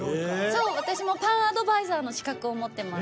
そう私もパンアドバイザーの資格を持ってます。